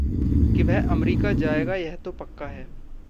कि वह अम्रीका जाएगा, यह तो पक्का है।